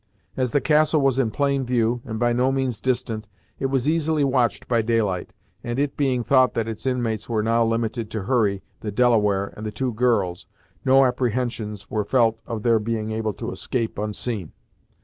As the castle was in plain view, and by no means distant, it was easily watched by daylight, and, it being thought that its inmates were now limited to Hurry, the Delaware and the two girls, no apprehensions were felt of their being able to escape unseen.